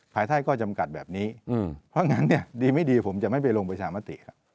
ภายใต้ข้อจำกัดแบบนี้เพราะงั้นเนี่ยดีไม่ดีผมจะไม่ไปลงประชามติครับ